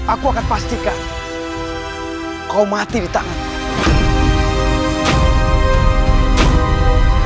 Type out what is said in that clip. aku akan pastikan kau mati di tangan